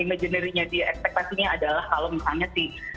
imaginernya dia ekspektasinya adalah kalau misalnya di